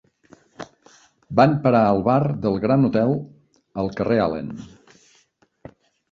Van parar al bar del Grand Hotel al carrer Allen.